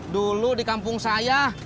dulu di kampung saya